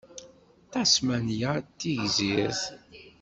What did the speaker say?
Tasmanya d tigzrit.